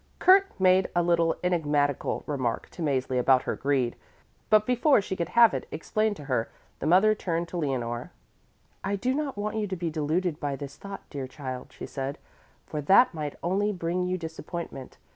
Kurt made a little enigmatical remark to Mäzli about her greed, but before she could have it explained to her, the mother turned to Leonore. "I do not want you to be deluded by this thought, dear child," she said, "for that might only bring you disappointment.